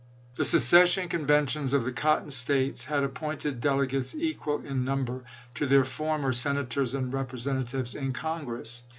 The secession conventions of the Cotton States had appointed delegates equal in number to their former Senators and Representatives in Congress.